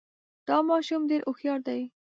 دا ماشوم ډېر هوښیار دی